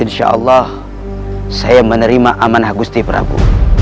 insyaallah saya menerima amanah gusti prabu